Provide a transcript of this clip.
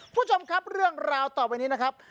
คุณผู้ชมครับเรื่องราวต่อไปนี้นะครับ